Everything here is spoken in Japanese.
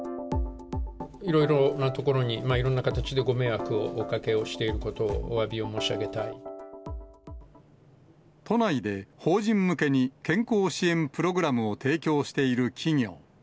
いろいろなところに、いろんな形でご迷惑をおかけをしていることを、おわびを申し上げ都内で、法人向けに健康支援プログラムを提供している企業。